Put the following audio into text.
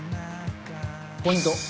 ポイント。